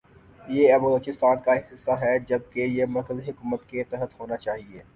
یہ اب بلوچستان کا حصہ ھے جبکہ یہ مرکزی حکومت کے تحت ھوناچاھیے۔